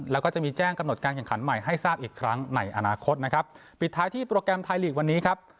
แล้วก็จะมีแจ้งกำหนดการแข่งขันใหม่ให้ทราบอีกครั้งในอนาคตนะครับปิดท้ายที่โปรแกรมไทยลีกวันนี้ครับ